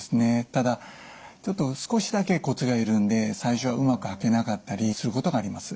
ただ少しだけコツがいるんで最初はうまく履けなかったりすることがあります。